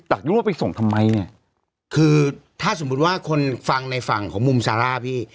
รู้ว่าไปส่งทำไมเนี่ยคือถ้าสมมุติว่าคนฟังในฝั่งของมุมซาร่าพี่